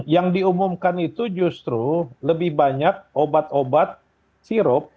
yang diumumkan itu justru lebih banyak obat obat sirup